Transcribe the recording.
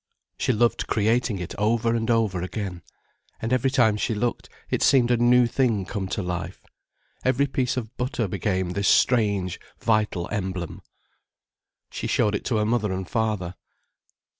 She loved creating it over and over again. And every time she looked, it seemed a new thing come to life. Every piece of butter became this strange, vital emblem. She showed it to her mother and father.